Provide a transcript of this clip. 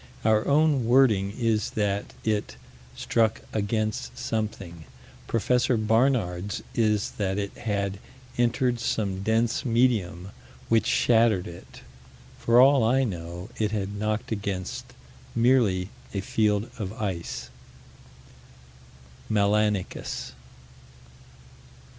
Our own wording is that it "struck against something": Prof. Barnard's is that it had "entered some dense medium, which shattered it." For all I know it had knocked against merely a field of ice. Melanicus.